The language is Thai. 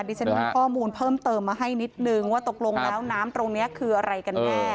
ดิฉันมีข้อมูลเพิ่มเติมมาให้นิดนึงว่าตกลงแล้วน้ำตรงนี้คืออะไรกันแน่